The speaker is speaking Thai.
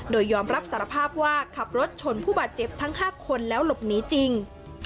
โดยยอมรับสารภาพว่าขับรถชนผู้บาดเจ็บทั้ง๕คนแล้วหลบหนีจริง